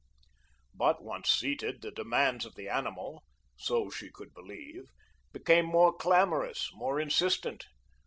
But once seated, the demands of the animal so she could believe became more clamorous, more insistent.